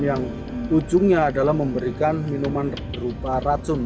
yang ujungnya adalah memberikan minuman berupa racun